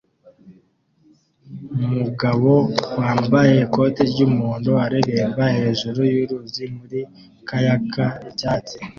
Umugabo wambaye ikoti ry'umuhondo areremba hejuru yuruzi muri kayak icyatsi